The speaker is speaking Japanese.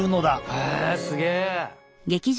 へえすげえ！